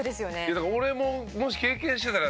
だから俺も。